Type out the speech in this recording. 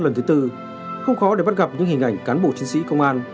lần thứ tư không khó để bắt gặp những hình ảnh cán bộ chiến sĩ công an